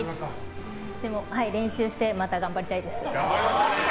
でも、練習してまた頑張りたいです。